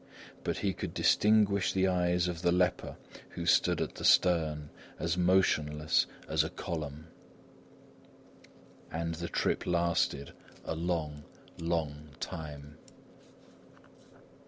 But he could distinguish the eyes of the leper who stood at the stern, as motionless as a column. And the trip lasted a long, long time.